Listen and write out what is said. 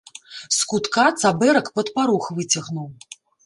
З кутка цабэрак пад парог выцягнуў.